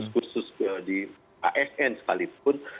kursus kursus di asn sekalipun